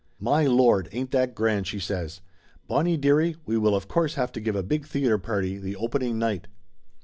"My Lord, ain't that grand!" she says. "Bonnie dearie, we will of course have to give a big theater party the opening night